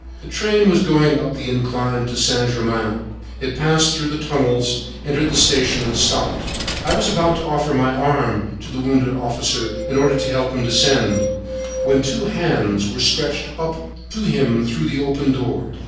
The train was going up the incline to Saint Germain. It passed through the tunnels, entered the station, and stopped. I was about to offer my arm to the wounded officer, in order to help him descend, when two hands were stretched up to him through the open door.